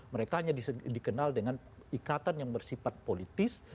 mereka hanya dikenal dengan ikatan yang bersifat politis